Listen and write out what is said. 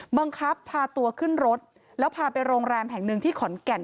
บังคับพาตัวขึ้นรถแล้วพาไปโรงแรมแห่งหนึ่งที่ขอนแก่น